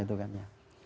itu kan ya